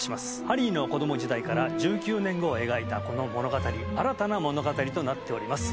ハリーの子供時代から１９年後を描いたこの物語新たな物語となっております